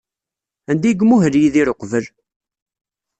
Anda ay imuhel Yidir uqbel?